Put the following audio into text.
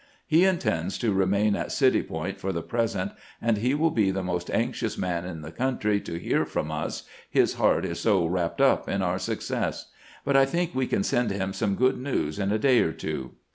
He intends to re main at City Point for the present, and he wiU be the most anxious man in the country to hear from us, his heart is so wrapped up in our success ; but I think we can send him some good news in a day or two."